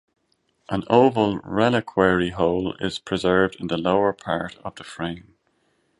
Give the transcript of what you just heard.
An oval reliquary hole is preserved in the lower part of the frame.